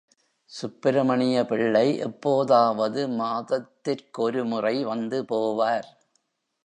சுப்பிரமணிய பிள்ளை எப்போதாவது மாதத்திற்கொரு முறை வந்து போவார்.